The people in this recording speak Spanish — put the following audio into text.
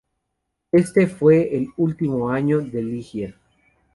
Ese fue el último año de Ligier.